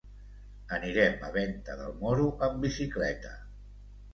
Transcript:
Anirem a Venta del Moro amb bicicleta.